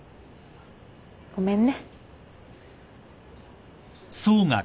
ごめんね。